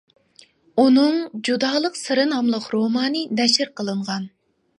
ئۇنىڭ «جۇدالىق سىرى» ناملىق رومانى نەشر قىلىنغان.